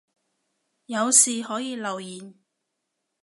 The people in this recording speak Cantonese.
有事可以留言